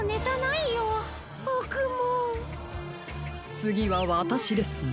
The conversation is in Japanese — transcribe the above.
つぎはわたしですね。